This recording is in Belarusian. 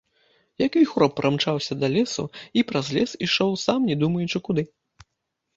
Як віхор прамчаўся да лесу і праз лес, ішоў, сам не думаючы куды.